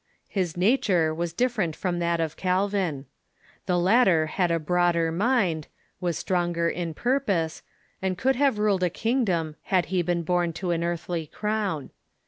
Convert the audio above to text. His nature was difiFerent from that of Calvin. The latter had a broader mind, was stronger in purpose, and could have ruled a kingdom had he been born to an earthly crown.